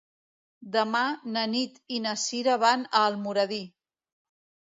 Demà na Nit i na Sira van a Almoradí.